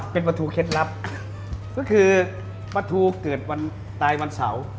เป็นปลาทูเคล็ดลับก็คือปลาทูเกิดวันตายวันเสาร์